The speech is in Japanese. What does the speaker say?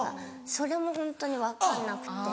それもホントに分かんなくて。